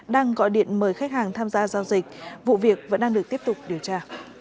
đang gọi điện mời khách hàng tham gia giao dịch vụ việc vẫn đang được tiếp tục điều tra